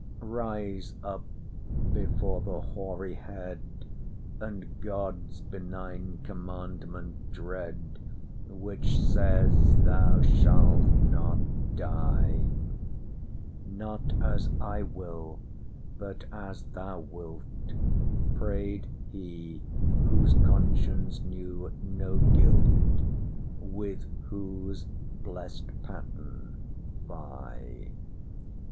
Rise up before the hoary head, And God's benign commandment dread, Which says thou shalt not die:'Not as I will, but as Thou wilt,'Prayed He, whose conscience knew no guilt; With Whose blessed pattern vie.